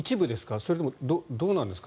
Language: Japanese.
それとも、どうなんですか？